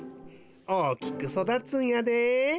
大きくそだつんやで。